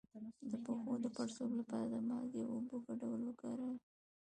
د پښو د پړسوب لپاره د مالګې او اوبو ګډول وکاروئ